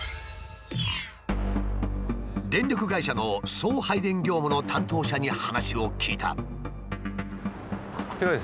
電力会社の送配電業務の担当者に話を聞いた。